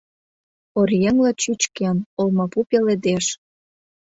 Оръеҥла чӱчкен, олмапу пеледеш